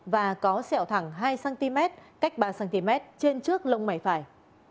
và có xẹo thẳng hai cm cách ba cm trên trước lông mảy phải